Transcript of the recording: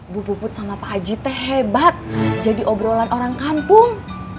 bu puput sama pak haji teh hebat jadi obrolan orang kampung